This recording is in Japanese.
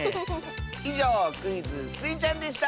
いじょうクイズ「スイちゃん」でした！